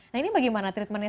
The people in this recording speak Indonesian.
nah ini bagaimana treatment nya